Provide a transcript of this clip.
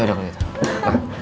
ya udah kalau gitu